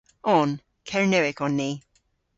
On. Kernewek on ni.